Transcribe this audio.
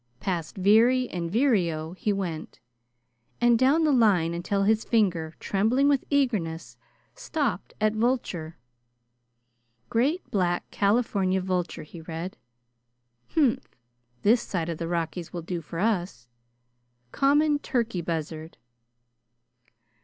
Past "veery" and "vireo" he went, down the line until his finger, trembling with eagerness, stopped at "vulture." "'Great black California vulture,'" he read. "Humph! This side the Rockies will do for us." "'Common turkey buzzard.'"